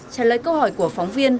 trả lời câu hỏi của phóng viên